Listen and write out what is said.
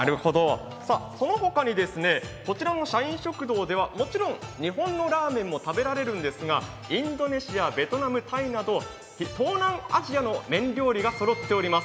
その他にこちらの社員食堂では、もちろん日本のラーメンも食べられるんですが、インドネシア、ベトナム、タイなど東南アジアの麺料理がそろっております。